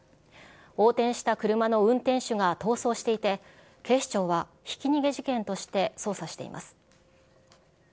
横転した車の運転手が逃走していて、警視庁はひき逃げ事件として捜査しています。